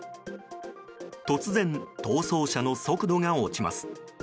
突然、逃走車の速度が落ちます。